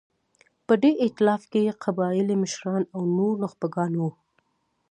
په دې اېتلاف کې قبایلي مشران او نور نخبګان وو.